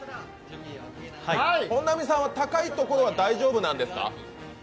本並さんは高いところは大丈夫なんですか？